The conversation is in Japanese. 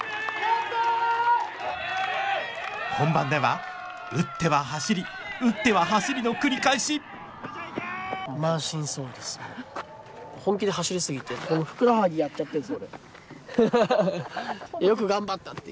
本番では打っては走り打っては走りの繰り返しどうぞ。